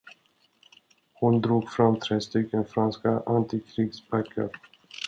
Hon drog fram tre stycken franska antikrigsböcker.